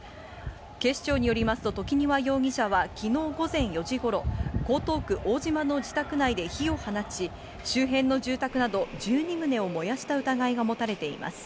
警視庁によりますと、時庭容疑者は昨日午前４時頃、江東区大島の自宅内で火を放ち、周辺の住宅など１２棟を燃やした疑いが持たれています。